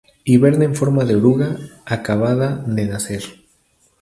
Hiberna en forma de oruga acabada de nacer.